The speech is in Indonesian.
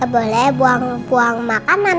boleh buang buang makanan